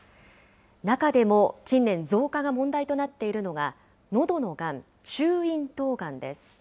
中でも近年、増加が問題となっているのがのどのがん、中咽頭がんです。